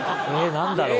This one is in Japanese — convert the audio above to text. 何だろう